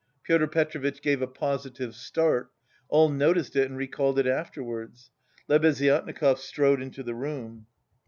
Pyotr Petrovitch gave a positive start all noticed it and recalled it afterwards. Lebeziatnikov strode into the room.